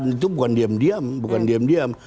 itu bukan diam diam